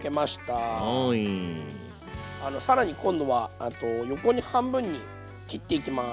更に今度は横に半分に切っていきます。